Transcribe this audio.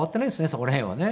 そこら辺はね。